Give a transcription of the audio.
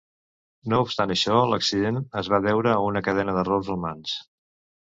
No obstant això, l'accident es va deure a una cadena d'errors humans.